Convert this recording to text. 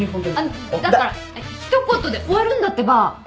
あのだから一言で終わるんだってば。